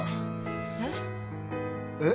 えっ？えっ？